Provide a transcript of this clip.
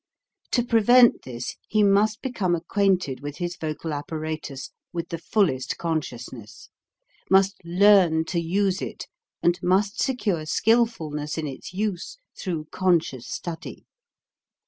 To prevent this, he must become acquainted with his vocal apparatus with the fullest consciousness, must learn to use it and must secure skilfulness in its use through con scious study.